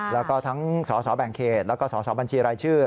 แล้วก็ทั้งสสแบ่งเขตแล้วก็สสบัญชีรายชื่อ